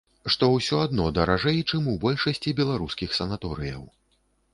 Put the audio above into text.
Што ўсё адно даражэй, чым у большасці беларускіх санаторыяў.